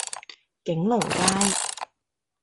景隆街